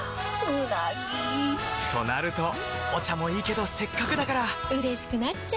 うなぎ！となるとお茶もいいけどせっかくだからうれしくなっちゃいますか！